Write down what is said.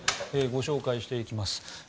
ご紹介していきます。